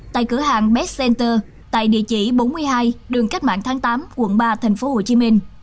tại cửa hàng best center tại địa chỉ bốn mươi hai đường cách mạng tháng tám quận ba thành phố hồ chí minh